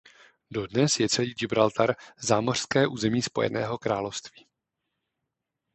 Dodnes je celý Gibraltar zámořské území Spojeného království.